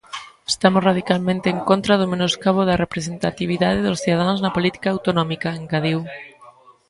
"Estamos radicalmente en contra do menoscabo da representatividade dos cidadáns na política autonómica", engadiu.